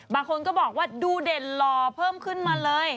บางคนก็บอกว่าดูเด่นหล่อเพิ่มขึ้นมาเลย